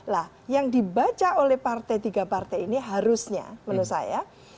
lah yang dibaca oleh tiga partai ini harusnya menurut saya